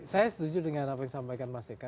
saya setuju dengan apa yang disampaikan mas eka